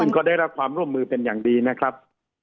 ก็ได้รับความร่วมมือเป็นอย่างดีนะครับ